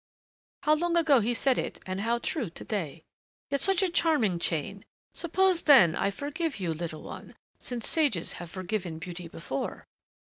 How long ago he said it and how true to day ... Yet such a charming chain! Suppose, then, I forgive you, little one, since sages have forgiven beauty before?"